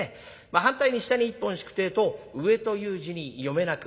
反対に下に１本引くってえと上という字に読めなくもない。